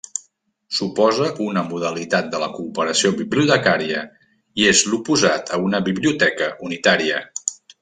Suposa una modalitat de la cooperació bibliotecària i és l'oposat a una biblioteca unitària.